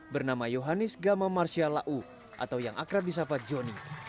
bernama yohanis gama marsya lau atau yang akrab di sapa joni